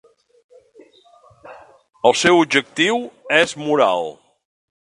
El seu objectiu és moral.